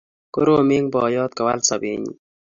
korom eng' poyot kowal sobennyi